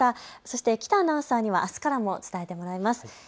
そして喜多アナウンサーにはあすからも伝えてもらいます。